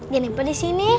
jeniper di sini